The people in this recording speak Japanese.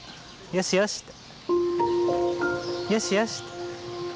よしよしって。